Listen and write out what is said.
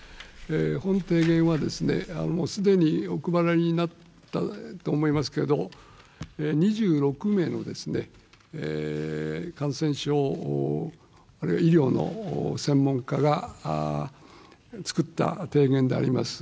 本提言は、もうすでにお配りになったと思いますけれども、２６名の、感染症あるいは医療の専門家が作った提言であります。